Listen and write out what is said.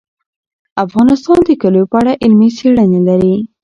افغانستان د کلیو په اړه علمي څېړنې لري.